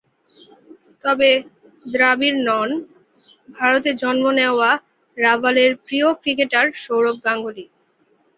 তবে দ্রাবিড় নন, ভারতে জন্ম নেওয়া রাভালের প্রিয় ক্রিকেটার সৌরভ গাঙ্গুলী।